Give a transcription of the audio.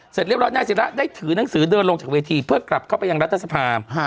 เสร็จเรียบร้อยนายศิระได้ถือหนังสือเดินลงจากเวทีเพื่อกลับเข้าไปยังรัฐสภา